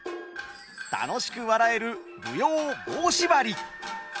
楽しく笑える舞踊「棒しばり」。